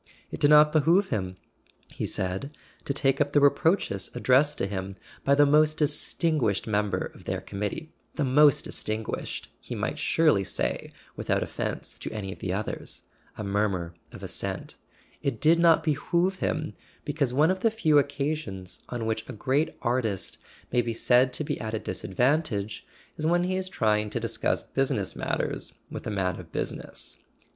It did not behove him, he said, to take up the reproaches addressed to him by the most distinguished member of their committee—the most distinguished, he might surely say without offence to any of the others (a mur¬ mur of assent); it did not behove him, because one of the few occasions on which a great artist may be said to be at a disadvantage is when he is trying to discuss business matters with a man of business.